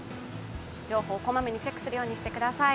情報をこまめにチェックするようにしてください。